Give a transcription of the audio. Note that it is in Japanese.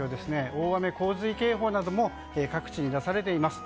大雨・洪水警報なども各地に出されています。